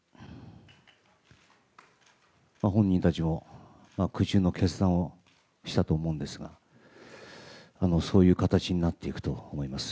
本人たちも苦渋の決断をしたと思うんですがそういう形になっていくと思います。